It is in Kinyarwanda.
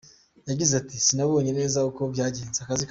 Yagize ati: “Sinabonye neza uko byagenze.